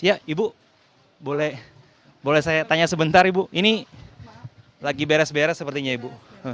ya ibu boleh saya tanya sebentar ibu ini lagi beres beres sepertinya ibu